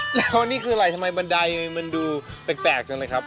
แล้วนี่คืออะไรทำไมบันไดมันดูแปลกจังเลยครับ